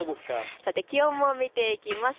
気温も見ていきます。